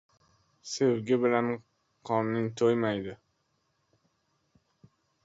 • Sevgi bilan qorning to‘ymaydi.